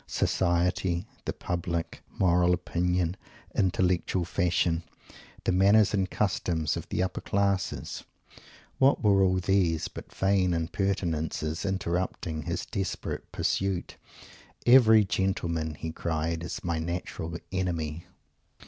Society? the Public? Moral Opinion? Intellectual Fashion? The manners and customs of the Upper Classes? What were all these but vain impertinences, interrupting his desperate Pursuit? "Every gentleman" he cried "is my natural enemy!"